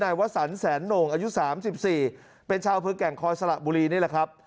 นายวัฒนแสนโหน่งอายุ๓๔เป็นชาวภึกแก่งคอยสละบุรีนี่แหละครับ